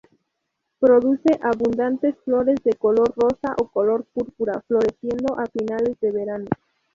Produce abundantes flores de color rosa a color púrpura, floreciendo a finales de verano.